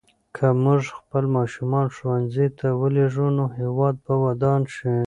که موږ خپل ماشومان ښوونځي ته ولېږو نو هېواد به ودان شي.